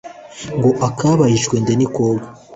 Ngo akabaye icwende ntikoga.